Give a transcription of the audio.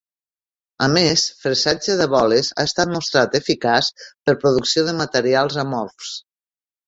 A més, fresatge de boles ha estat mostrat eficaç per producció de materials amorfs.